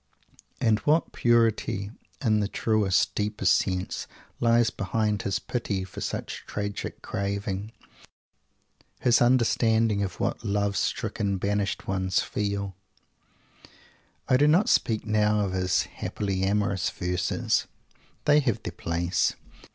And what purity in the truest, deepest sense, lies behind his pity for such tragic craving; his understanding of what love stricken, banished ones feel. I do not speak now of his happily amorous verses. They have their place.